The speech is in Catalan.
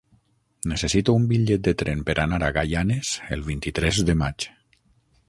Necessito un bitllet de tren per anar a Gaianes el vint-i-tres de maig.